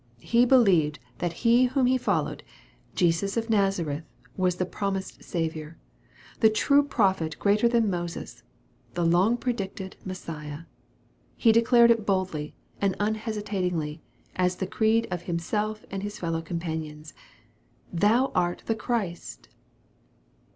He believed that He whom he followed, Jesus of Nazareth, was the promised Saviour, the true Prophet greater than Moses, the long predicted Messiah. He declared it boldly and unhesitatingly, as the creed of himself and his few companions :" Thou art the Christ."